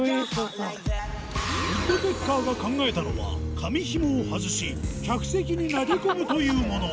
ｗｏｏｄｐｅｃｋｅｒが考えたのは、髪ひもを外し、客席に投げ込むというもの。